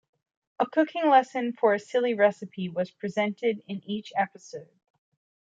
A cooking lesson for a silly recipe was presented in each episode.